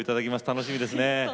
楽しみですね。